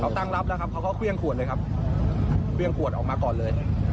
เขาตั้งรับแล้วครับเขาก็เครื่องขวดเลยครับเครื่องขวดออกมาก่อนเลย